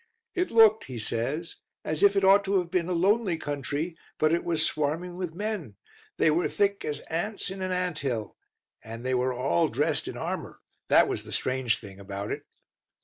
"It looked," he says, "as if it ought to have been a lonely country, but it was swarming with men; they were thick as ants in an anthill. And they were all dressed in armour; that was the strange thing about it.